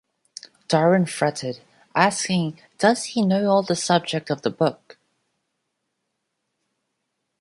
Darwin fretted, asking Does he know all the subject of the book?